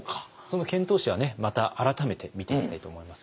その遣唐使はねまた改めて見ていきたいと思いますけれども。